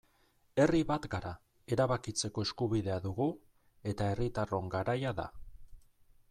Herri bat gara, erabakitzeko eskubidea dugu eta herritarron garaia da.